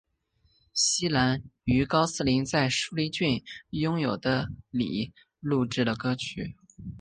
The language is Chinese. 希兰于高斯林在舒梨郡拥有的里录制了歌曲。